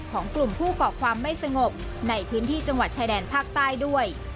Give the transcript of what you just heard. ของกลุ่มผู้ก่อความไม่สงบในพื้นที่จังหวัดชายแดนภาคใต้ด้วย